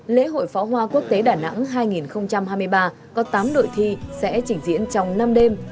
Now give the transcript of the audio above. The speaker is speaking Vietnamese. lễ hội pháo hoa quốc tế đà nẵng hai nghìn hai mươi ba có tám đội thi sẽ trình diễn trong năm đêm